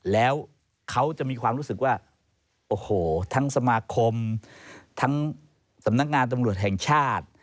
แล้วเขาจะมีความรู้สึกว่าโอ้โหทั้งสมาคมทั้งสำนักงานตำรวจแห่งชาติ